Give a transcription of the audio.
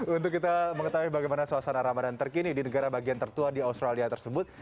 untuk kita mengetahui bagaimana suasana ramadan terkini di negara bagian tertua di australia tersebut